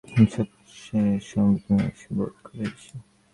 হিংসার চেয়ে সমবেদনাই সে বোধ করে বেশি।